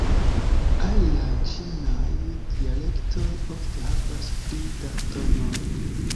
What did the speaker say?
Aliaj ĉinaj dialektoj ofte havas pli da tonoj.